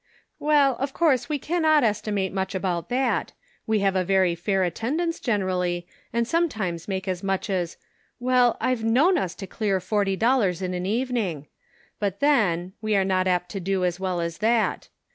" Well, of course we can ' not estimate much about that; we have a very fair attendance generally, and sometimes make as much as — well, I've known us to clear forty dollars in an evening ; but, then, we are not apt to do as well as that.